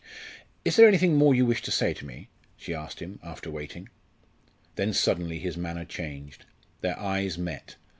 "Is there anything more you wish to say to me?" she asked him, after waiting. Then suddenly his manner changed. Their eyes met.